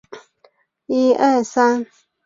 天宝站共有四个出入口。